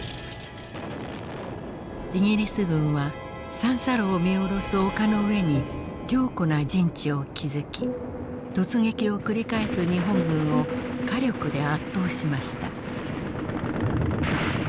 イギリス軍は三差路を見下ろす丘の上に強固な陣地を築き突撃を繰り返す日本軍を火力で圧倒しました。